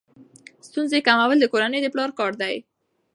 ستونزې کمول د کورنۍ د پلار کار دی.